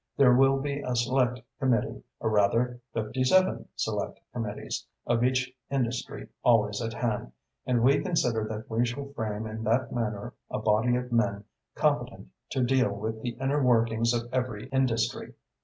There will be a select committee, or rather fifty seven select committees, of each industry always at hand, and we consider that we shall frame in that manner a body of men competent to deal with the inner workings of every industry.